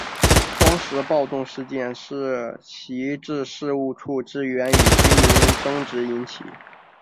双十暴动事件是徙置事务处职员与居民争执引起。